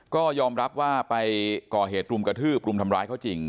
ก็ยอมรับว่าไปก่อเหตุรุมกระทืบรุมทำร้ายเขาจริง